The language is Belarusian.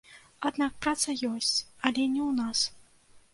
Аднак праца ёсць, але не ў нас.